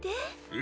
え？